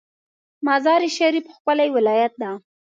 مزار شریف ښکلی ولایت ده